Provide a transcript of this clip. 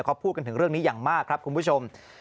เขาพูดกันถึงเรื่องนี้อย่างมากครับคุณผู้ชม